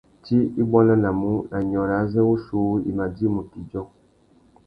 Tsi i buandanamú na nyôrê azê wuchiuwú i mà djï mutu idjô.